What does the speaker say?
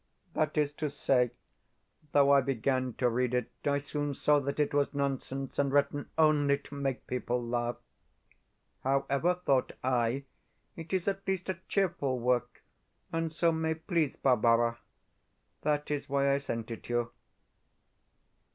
That is to say, though I began to read it, I soon saw that it was nonsense, and written only to make people laugh. "However," thought I, "it is at least a CHEERFUL work, and so may please Barbara." That is why I sent it you.